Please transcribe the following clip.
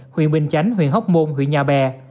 huyện bình chánh huyện hóc môn huyện nhà bè